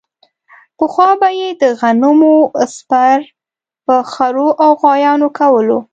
پخوا به یې د غنمو څپر په خرو او غوایانو کولو.